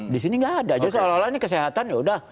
di sini nggak ada jadi seolah olah ini kesehatan yaudah